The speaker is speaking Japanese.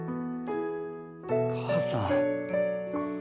母さん。